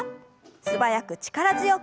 素早く力強く。